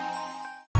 om jin gak boleh ikut